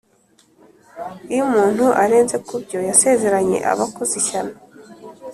iyo umuntu arenze kubyo yasezeranye aba akoze ishyano,